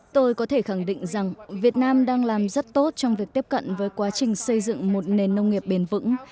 tôi có thể khẳng định rằng việt nam đang làm rất tốt trong việc tiếp cận với quá trình xây dựng một nền nông nghiệp bền vững